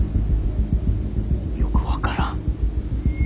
よく分からん。